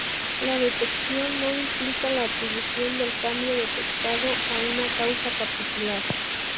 La detección no implica la atribución del cambio detectado a una causa particular.